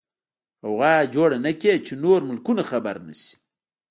غوغا جوړه نکې چې نور ملکونه خبر نشي.